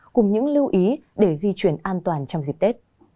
cùng những lưu ý để di chuyển an toàn trong dịp tết